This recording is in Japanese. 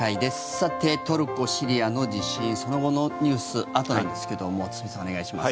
さて、トルコ、シリアの地震その後のニュースあったんですけども堤さん、お願いします。